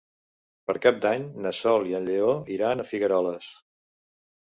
Per Cap d'Any na Sol i en Lleó iran a Figueroles.